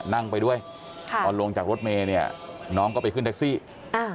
นั่งไปด้วยค่ะตอนลงจากรถเมย์เนี่ยน้องก็ไปขึ้นแท็กซี่อ่า